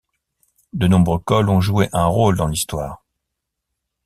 De nombreux cols ont joué un rôle dans l'histoire.